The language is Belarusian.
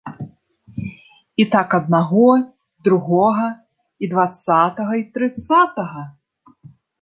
І так аднаго, й другога, й дваццатага, й трыццатага.